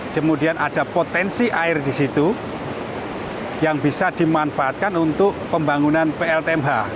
kemudian ada potensi air di situ yang bisa dimanfaatkan untuk pembangunan pltmh